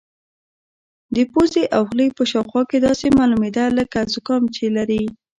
د پوزې او خولې په شاوخوا کې داسې معلومېده لکه زکام چې لري.